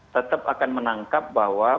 tetap akan menangkap bahwa